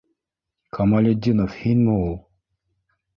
Камалетдинов һинме ул?